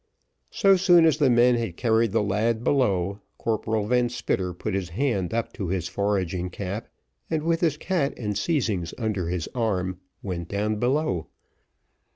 So soon as the men had carried the lad below, Corporal Van Spitter put his hand up to his foraging cap, and with his cat and seizings under his arm, went down below.